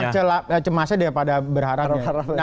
lebih banyak cemasnya daripada berharapnya